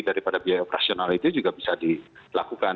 jadi pengerasan dari biaya operasional itu juga bisa dilakukan